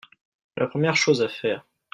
La première chose à faire…